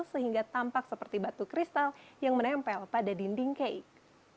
sehingga tampak seperti batu kristal yang menempel pada dinding kake